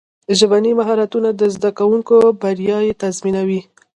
ژبني مهارتونه د زدهکوونکو بریا تضمینوي.